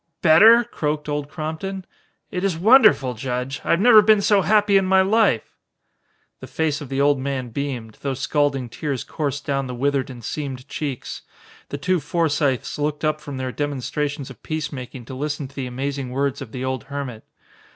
Better?" croaked Old Crompton. "It is wonderful, Judge. I have never been so happy in my life!" The face of the old man beamed, though scalding tears coursed down the withered and seamed cheeks. The two Forsythes looked up from their demonstrations of peacemaking to listen to the amazing words of the old hermit.